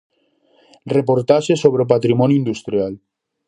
Reportaxe sobre o Patrimonio Industrial.